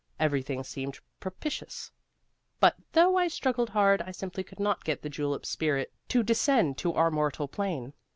Everything seemed propitious, but though I struggled hard I simply could not get the julep spirit to descend to our mortal plane.